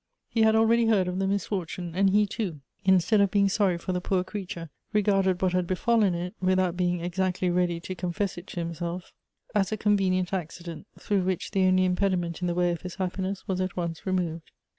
He had already heard of the misfortune ; and he too, instead of being sorry for the poor creature, regarded what had befallen it, without being exactly ready to confess it to himself, as a conven 286 Goethe's ient accident, through which the only inpediment in the way of his happiness was at once removed.